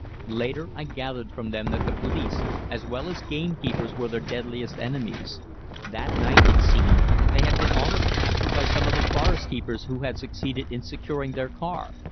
Later I gathered from them that the police, as well as gamekeepers, were their deadliest enemies. That night, it seemed, they had been almost captured by some of the forest keepers, who had succeeded in securing their car.